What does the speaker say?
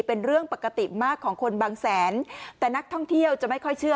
เป็นเรื่องปกติมากของคนบางแสนแต่นักท่องเที่ยวจะไม่ค่อยเชื่อ